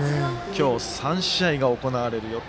今日３試合が行われる予定。